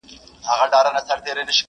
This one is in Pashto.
زه قلندر یم په یوه قبله باور لرمه!!